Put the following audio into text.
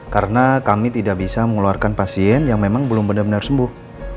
karena kami tidak bisa mengeluarkan pasien yang memang belum benar benar sembuh